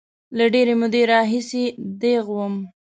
له ډېرې مودې راهیسې دیغ وم.